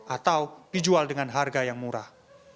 atau dijual dengan harga yang murah